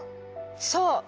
そう！